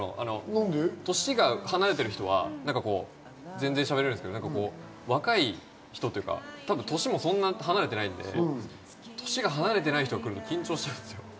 年が離れている人はしゃべれるんですけど、若い人っていうか年もそんなに離れてないんで、年が離れてない人が来ると緊張しちゃうんですよ。